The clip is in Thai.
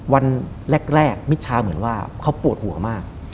วันแรกมิชชาเหมือนว่าเขาปวดหัวมาก